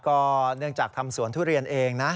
ก็เนื่องจากทำสวนทุเรียนเองนะ